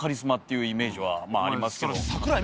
いうイメージはありますけど。